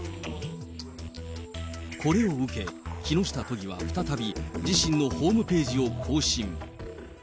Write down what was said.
これを受け、木下都議は再び、自身のホームページを更新。